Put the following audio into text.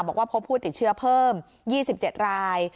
บอกว่าพบผู้ติดเชื้อเพิ่ม๒๗ราย